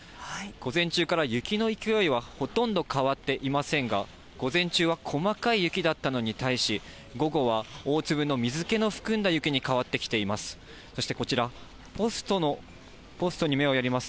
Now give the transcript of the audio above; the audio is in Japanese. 午前中から雪の勢いはほとんど変わっていませんが、午前中は細かい雪だったのに対し、午後は大粒の水けの含んだ雪に変わってきています。